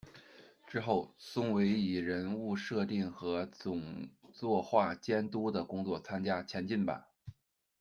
之后，松尾以人物设定和总作画监督的工作参加《前进吧！